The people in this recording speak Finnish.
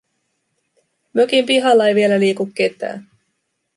Mökin pihalla ei vielä liiku ketään.